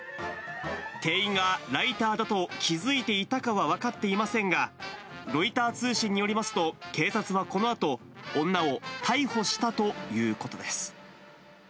店員がライターだと気付いていたかは分かっていませんが、ロイター通信によりますと、警察はこのあと、女を逮捕したということです。